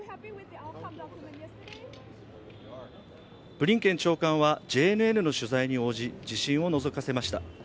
ブリンケン長官はＪＮＮの取材に応じ自信をのぞかせました。